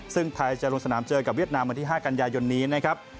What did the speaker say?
ซึ่งไทยจะลงสนามเจอกับเวียดนามวันที่๕กันยายนนี้นะครับ